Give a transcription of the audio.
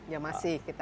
ya masih kita